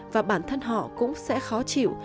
và bản thân họ cũng sẽ khó chịu